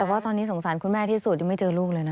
แต่ว่าตอนนี้สงสารคุณแม่ที่สุดยังไม่เจอลูกเลยนะ